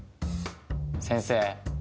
先生